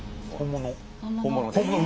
本物？